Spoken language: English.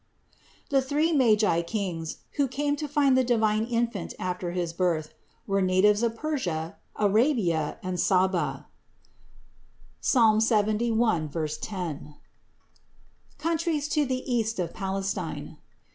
552. The three Magi Kings, who came to find the divine Infant after his birth, were natives of Persia, Arabia and Sabba (Ps. 71, 10), countries to the east of Palestine.